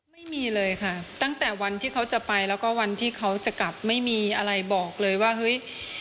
ไม่มีเลยค่ะตั้งแต่วันที่เขาจะไปแล้วก็วันที่เขาจะกลับไม่มีอะไรบอกเลยว่าเฮ้ย